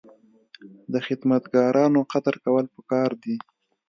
د خدمتګارانو قدر کول پکار دي.